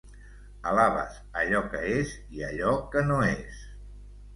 Alabes allò que és i allò que no és.